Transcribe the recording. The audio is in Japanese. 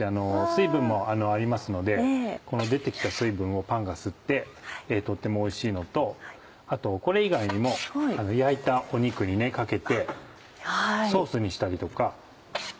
水分もありますので出て来た水分をパンが吸ってとってもおいしいのとこれ以外にも焼いた肉にかけてソースにしたりとか。